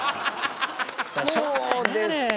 そうですね。